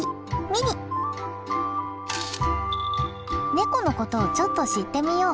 ネコのことをちょっと知ってみよう。